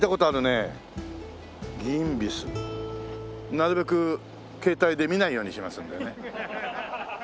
なるべく携帯で見ないようにしますんでね。